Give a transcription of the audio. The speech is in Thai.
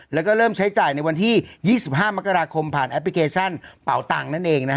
แล้วก็เริ่มใช้จ่ายในวันที่๒๕มกราคมผ่านแอปพลิเคชันเป่าตังค์นั่นเองนะฮะ